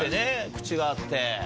口があって。